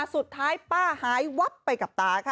สุดท้ายป้าหายวับไปกับตาค่ะ